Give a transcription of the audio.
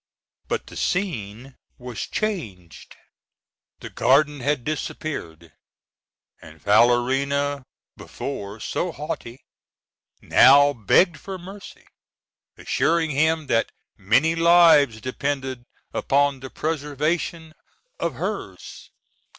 But the scene was changed. The garden had disappeared, and Falerina, before so haughty, now begged for mercy, assuring him that many lives depended upon the preservation of hers.